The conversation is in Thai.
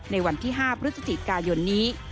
ในวันที่๕พฤศจิกายนนี้